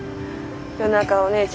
夜中お姉ちゃん